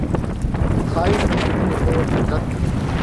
ښایست د فکر یو ډول قدرت دی